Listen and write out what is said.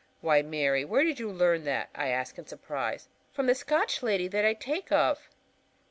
"Why, Mary, where did you learn that?" I ask in surprise. "From the Scotch lady that I take of."